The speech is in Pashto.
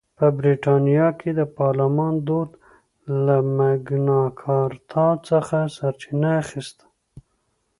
په برېټانیا کې د پارلمان دود له مګناکارتا څخه سرچینه اخیسته.